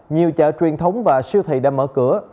nhiều chợ truyền thống và siêu thị đã mở cửa